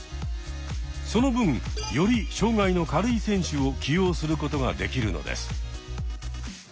その分より障害の軽い選手を起用することができるのです。